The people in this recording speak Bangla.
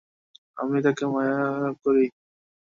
কিন্তু একটা কথা বলে রাখি, আমি তাকে মায়া করি।